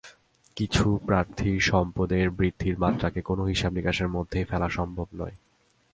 কিছু প্রার্থীর সম্পদের বৃদ্ধির মাত্রাকে কোনো হিসাব-নিকাশের মধ্যেই ফেলা সম্ভব নয়।